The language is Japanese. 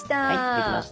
できました。